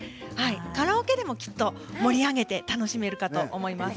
カラオケでもきっと盛り上げて楽しめるかと思います。